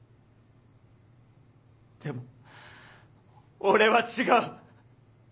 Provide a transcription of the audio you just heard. でも俺は違う。